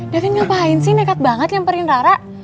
davin ngapain sih nekat banget nyamperin ra ra